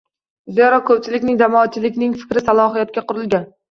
Zero ko‘pchilikning – jamoatchilikning fikriy salohiyatiga qurilgan